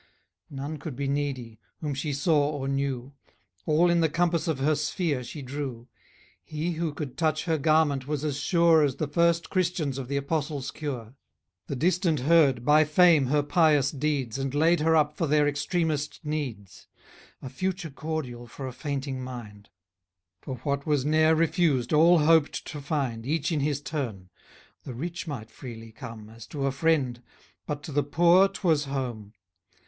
None could be needy, whom she saw or knew; All in the compass of her sphere she drew: He, who could touch her garment, was as sure, As the first Christians of the apostles' cure. The distant heard, by fame, her pious deeds, And laid her up for their extremest needs; A future cordial for a fainting mind; For, what was ne'er refused, all hoped to find, Each in his turn: the rich might freely come, As to a friend; but to the poor, 'twas home.